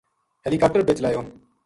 ہیلی کاپٹر بے چلایو